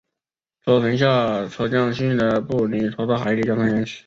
车手下车将幸存的尼诺拖到海里将他淹死。